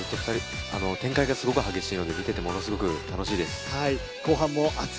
展開がすごく激しいので、見ていて楽しいです。